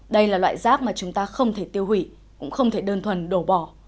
đây là loại rác mà chúng ta không thể tiêu hủy cũng không thể đơn thuần đổ bỏ